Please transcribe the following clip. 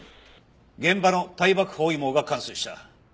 現場の対爆包囲網が完成した。